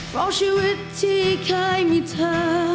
เพราะชีวิตที่เคยมีเธอ